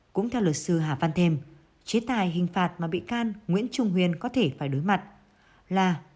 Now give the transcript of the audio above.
cũng theo luật sư hà văn thêm chế tài hình phạt mà bị can nguyễn trung huyên có thể phải đối mặt là